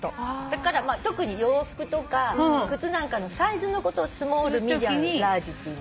だから特に洋服とか靴なんかのサイズのことをスモールミディアムラージっていいますね。